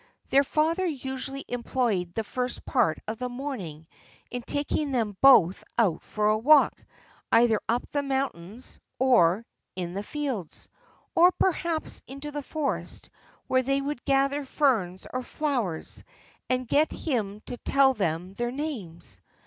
Their father usually employed the first part of the morning in taking them both out for a walk, either up the mountains, or in the fields, or perhaps into the forest, where they would gather ferns or flowers, and get him to tell them their names.